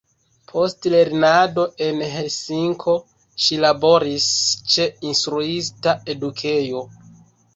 Post lernado en Helsinko ŝi laboris ĉe instruista edukejo.